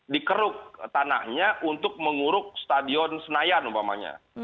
dikeruk tanahnya untuk menguruk stadion senayan umpamanya